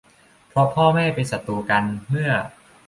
เพราะพ่อแม่เป็นศัตรูกันเมื่อ